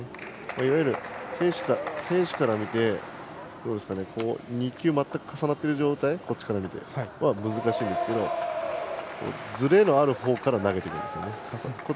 いわゆる選手から見て２球全く重なっている状態は難しいんですけどズレのあるほうから投げていくんですね。